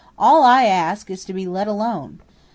"All I ask is to be let alone."